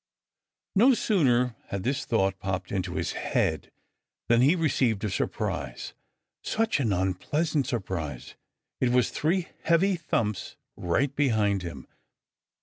No sooner had this thought popped into his head than he received a surprise, such an unpleasant surprise! It was three heavy thumps right behind him.